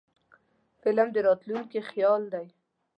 فلم د راتلونکي خیال دی